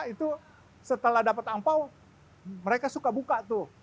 itu setelah dapat angpao mereka suka buka tuh